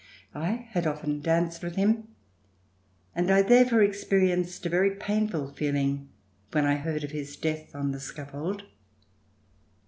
I had often danced with him and I therefore experienced a very painful feeling when I heard of his death on the scaffold.